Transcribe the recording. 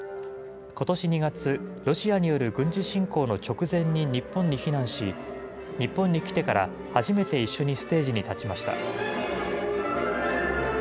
ことし２月、ロシアによる軍事侵攻の直前に日本に避難し、日本に来てから初めて一緒にステージに立ちました。